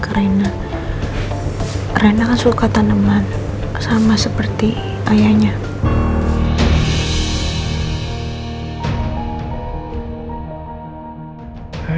karena mereka suka tanaman sama seperti ayahnya